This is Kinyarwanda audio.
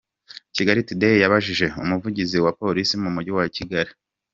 Kigali today yabajije Umuvugizi wa Polisi mu mujyi wa Kigali,